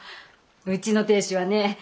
うちの亭主はね